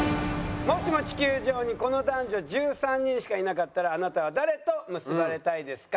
もしも地球上にこの男女１３人しかいなかったらあなたは誰と結ばれたいですか？